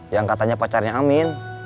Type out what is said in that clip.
yang katanya pacarnya amin